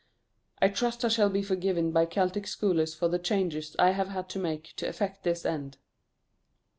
I trust I shall be forgiven by Celtic scholars for the changes I have had to make to effect this end.